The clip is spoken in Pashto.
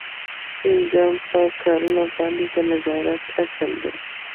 پنځم په کارونو باندې د نظارت اصل دی.